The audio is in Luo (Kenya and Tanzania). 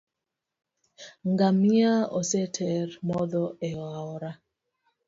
Ngamia oseter modho e aora